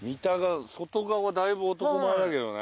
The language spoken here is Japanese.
外側だいぶ男前だけどね。